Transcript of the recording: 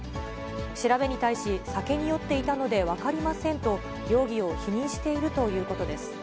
調べに対し、酒に酔っていたので、分かりませんと、容疑を否認しているということです。